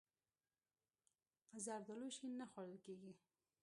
زردالو شین نه خوړل کېږي.